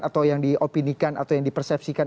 atau yang diopinikan atau yang dipersepsikan